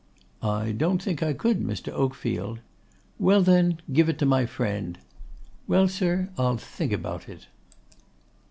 'I don't think I could, Mr. Oakfield.' 'Well, then, give it to my friend.' 'Well, sir, I'll think about it.